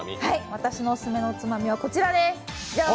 私のオススメのおつまみはこちらです、ジャン！